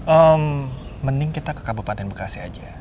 hmm mending kita ke kabupaten bekasi aja